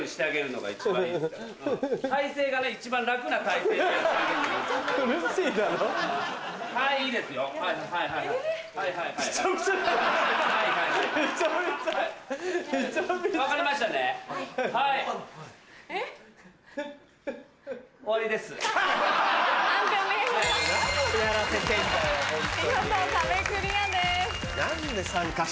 見事壁クリアです。